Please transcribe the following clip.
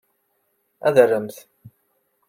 Ad arment.